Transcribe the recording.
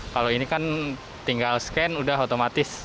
kalau ini kan tinggal scan udah otomatis